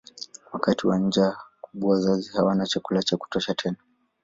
Wakati wa njaa kubwa wazazi hawana chakula cha kutosha tena.